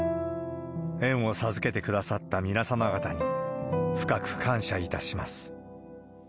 縁を授けてくださった皆様方に、深く感謝いたします。